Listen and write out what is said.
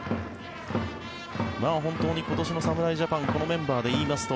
本当に今年の侍ジャパンこのメンバーで言いますと